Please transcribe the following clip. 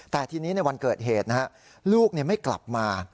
แต่ทีนี้ในวันเกิดเหตุลูกไม่กลับมา